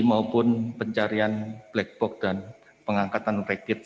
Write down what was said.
maupun pencarian black box dan pengangkatan rakit